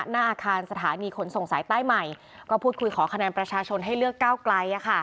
หน้าอาคารสถานีขนส่งสายใต้ใหม่ก็พูดคุยขอคะแนนประชาชนให้เลือกก้าวไกล